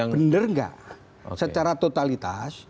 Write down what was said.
benar nggak secara totalitas